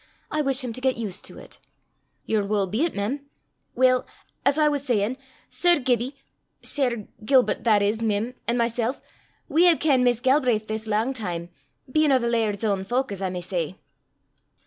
I wish him to get used to it." "Yer wull be 't, mem. Weel, as I was sayin', Sir Gibbie Sir Gilbert, that is, mem an mysel', we hae kenned Miss Galbraith this lang time, bein' o' the laird's ain fowk, as I may say."